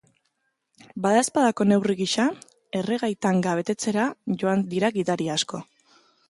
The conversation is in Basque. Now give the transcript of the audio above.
Badaezpadako neurri gisa, erregai-tanga betetzera joan dira gidari asko.